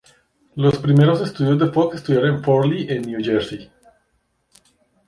Los primeros estudios de Fox estuvieron en Fort Lee en Nueva Jersey.